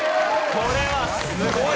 これはすごい！